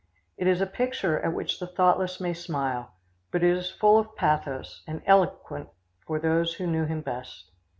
It is a picture at which the thoughtless may smile, but it is full of pathos, and eloquent for those who knew him best.